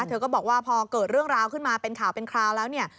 เธอก็บอกว่าพอเกิดเรื่องราวขึ้นมาเป็นข่าวเป็นคราวแล้วเนี่ย